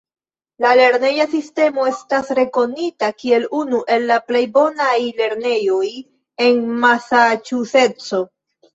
La lerneja sistemo estas rekonita kiel unu el la plej bonaj lernejoj en Masaĉuseco.